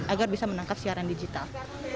agar bisa menangkap siaran digital